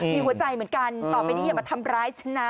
มีหัวใจเหมือนกันต่อไปนี้อย่ามาทำร้ายฉันนะ